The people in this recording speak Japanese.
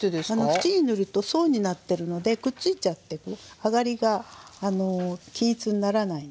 縁に塗ると層になってるのでくっついちゃってあがりが均一にならないんですね。